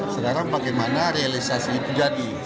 sekarang bagaimana realisasi itu jadi